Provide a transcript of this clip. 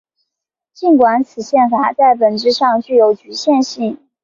尽管此宪法在本质上具有局限性。